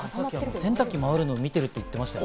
洗濯機が回るのを見てるって言ってましたね。